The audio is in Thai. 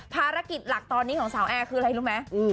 ภารกิจหลักตอนนี้ของสาวแอร์คืออะไรรู้ไหม